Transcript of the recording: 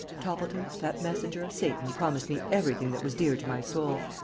Toppleton, that messenger of Satan promised me everything that was dear to my soul.